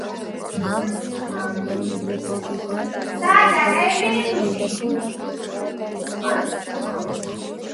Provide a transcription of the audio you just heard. ამ თანამდებობიდან გადადგომის შემდეგ ინტენსიურად ჩაება მეცნიერულ საქმიანობაში.